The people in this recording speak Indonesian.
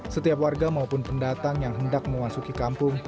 setiap warga maupun pendatang yang hendak memasuki kampung